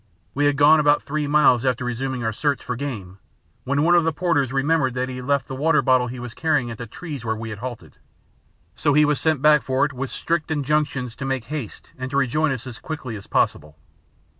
We had gone about three miles after resuming our search for game, when one of the porters remembered that he had left the water bottle he was carrying at the trees where we had halted, so he was sent back for it with strict injunctions to make haste and to rejoin us as quickly as possible.